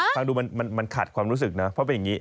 ฟังดูมันขาดความรู้สึกนะเพราะเป็นอย่างนี้